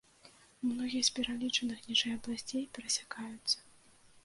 Многія з пералічаных ніжэй абласцей перасякаюцца.